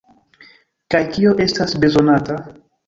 Kaj kio estas bezonata?